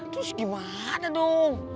terus gimana dong